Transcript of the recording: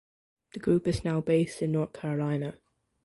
The group is now based in North Carolina.